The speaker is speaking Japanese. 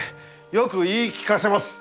よく言い聞かせます！